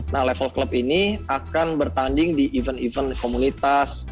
nah level club ini akan bertanding di event event komunitas jenis jenis